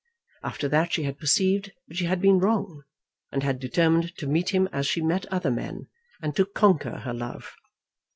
After that she had perceived that she had been wrong, and had determined to meet him as she met other men, and to conquer her love.